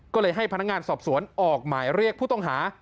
ก็เลยให้พนักงานสอบสวนออกหมายเรียกผู้ต้องหา